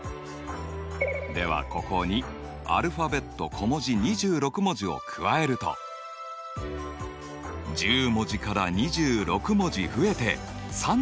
ではここにアルファベット小文字２６文字を加えると１０文字から２６文字増えて３６文字。